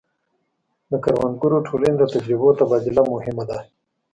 د کروندګرو ټولنې د تجربو تبادله مهمه ده.